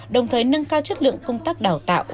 đồng thời nâng cao chất lượng công tác đào tạo